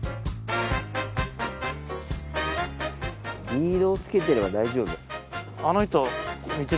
リードをつけてれば大丈夫。